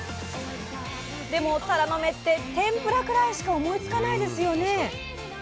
でもタラの芽って天ぷらくらいしか思いつかないですよね。